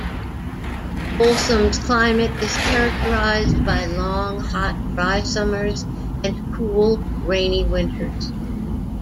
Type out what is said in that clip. Folsom's climate is characterized by long, hot, dry summers and cool, rainy winters.